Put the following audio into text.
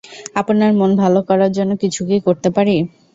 আপনার মন ভালো করার জন্য কিছু কি করতে পারি?